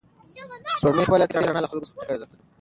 سپوږمۍ خپله تتې رڼا له خلکو څخه پټه کړې ده.